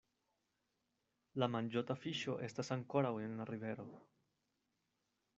La manĝota fiŝo estas ankoraŭ en la rivero.